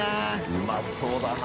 うまそうだな。